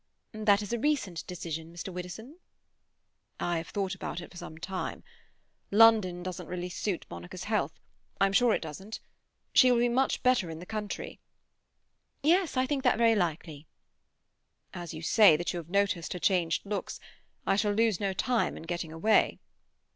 "That is a recent decision, Mr. Widdowson?" "I have thought about it for some time. London doesn't suit Monica's health; I'm sure it doesn't. She will be much better in the country." "Yes, I think that very likely." "As you say that you have noticed her changed looks, I shall lose no time in getting away."